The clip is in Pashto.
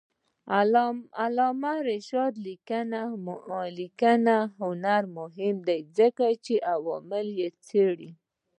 د علامه رشاد لیکنی هنر مهم دی ځکه چې عوامل څېړي.